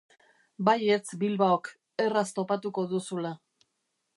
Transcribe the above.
Baietz Bilbaok, erraz topatuko duzula.